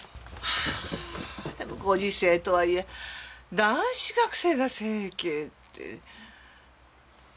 はぁでもご時世とはいえ男子学生が整形って。